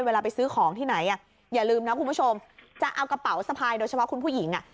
เวลาไปซื้อของที่ไหนอ่ะอย่าลืมนะคุณผู้ชมจะเอากระเป๋าสะพายโดยเฉพาะคุณผู้หญิงอ่ะ